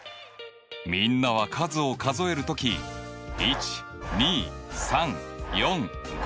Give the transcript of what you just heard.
みんなは数を数える時１２３４５